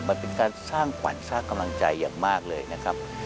มันเป็นการสร้างขวัญสร้างกำลังใจอย่างมากเลยนะครับ